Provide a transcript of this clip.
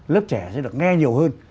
lớp trẻ sẽ được nghe nhiều hơn